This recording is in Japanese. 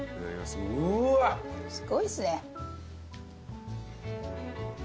すごいですよね。